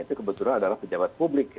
itu kebetulan adalah pejabat publik